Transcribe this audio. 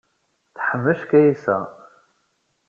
Teḥmec Kaysa.